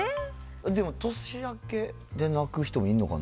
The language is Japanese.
でも、年明けで泣く人もいんのかな？